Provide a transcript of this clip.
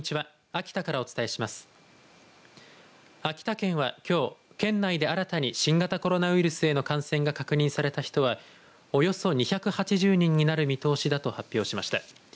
秋田県はきょう県内で新たに新型コロナウイルスへの感染が確認された人は、およそ２８０人になる見通しだと発表しました。